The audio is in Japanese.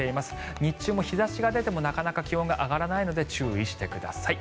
日中も日差しが出てもなかなか気温が上がらないので注意してください。